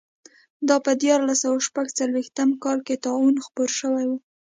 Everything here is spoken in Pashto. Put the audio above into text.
دا په دیارلس سوه شپږ څلوېښت کال کې طاعون خپور شوی و.